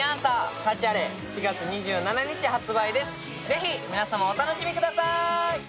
ぜひ皆様、お楽しみください